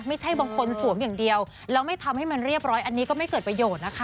ไม่ใช่บางคนสวมอย่างเดียวแล้วไม่ทำให้มันเรียบร้อยอันนี้ก็ไม่เกิดประโยชน์นะคะ